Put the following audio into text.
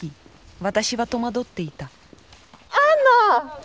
私は戸惑っていたアンナ！